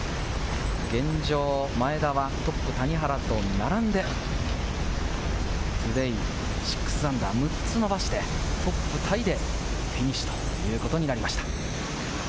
現状、前田はトップ・谷原と並んで、Ｔｏｄａｙ−６、６つ伸ばしてトップタイでフィニッシュということになりました。